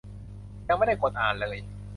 ยังไม่ได้กดอ่านเลย